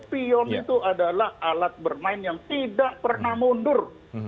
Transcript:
pion itu adalah alat bermain yang tidak pernah mundur